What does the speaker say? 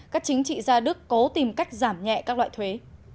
các chính trị gia đức cố tìm cách giảm nhẹ các loại thuế